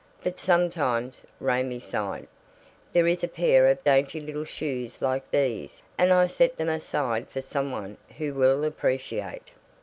"But sometimes," Raymie sighed, "there is a pair of dainty little shoes like these, and I set them aside for some one who will appreciate.